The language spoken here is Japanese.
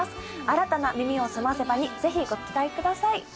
新たな「耳をすませば」に是非ご期待ください。